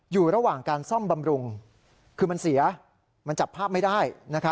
อยู่ระหว่างการซ่อมบำรุงคือมันเสียมันจับภาพไม่ได้